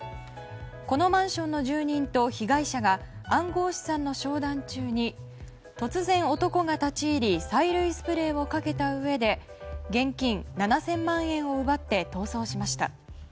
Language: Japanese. このマンションの住人と被害者が暗号資産の商談中に突然、男が立ち入り催涙スプレーをかけたうえで現金７０００万円を奪って逃走しました。